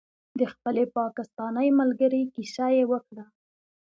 د خپلې پاکستانۍ ملګرې کیسه یې وکړه.